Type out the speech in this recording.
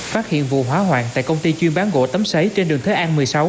phát hiện vụ hóa hoạn tại công ty chuyên bán gỗ tấm xáy trên đường thới an một mươi sáu